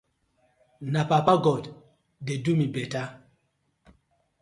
Na papa god dey do mi better.